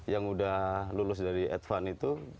yang udah lulus dari advance itu